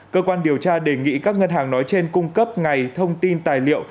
cơ quan điều tra đề nghị các ngân hàng nói trên cung cấp ngày thông tin tài liệu